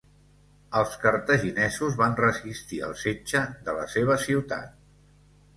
Els cartaginesos van resistir el setge de la seva ciutat.